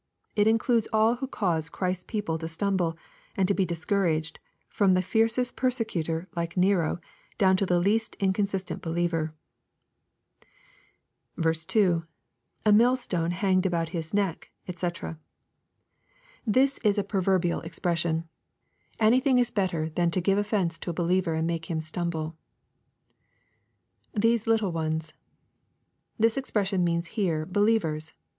It includes all who cause Christ's people to stumble and be dis couraged, from the fiercest persecutor, like Nero, down to tho least inconsistent believer. 2. —[^ miU^Ume hanged about his neck^ dfc] This ia a nrovcbiaJ tOKE, CHAP. XVn. 225 expression. Anytning is better than to give offence to a believer and make him stumble. [TTiese lilUe ones.] This expression means here "believers."